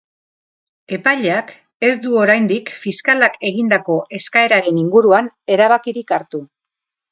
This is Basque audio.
Epaileak ez du oraindik fiskalak egindako eskaeraren inguruan erabakirik hartu.